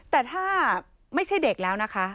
แต่ถ้าไม่ใช่เด็กแล้วนะคะ